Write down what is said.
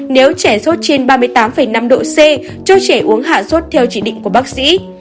nếu trẻ sốt trên ba mươi tám năm độ c cho trẻ uống hạ sốt theo chỉ định của bác sĩ